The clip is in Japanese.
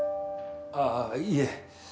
ああいいえ。